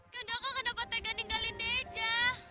dandaka kenapa tega ninggalin deja